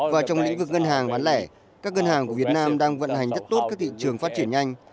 và trong lĩnh vực ngân hàng bán lẻ các ngân hàng của việt nam đang vận hành rất tốt các thị trường phát triển nhanh